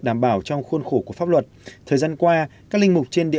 đảm bảo trong khuôn khổ của pháp luật thời gian qua các linh mục trên địa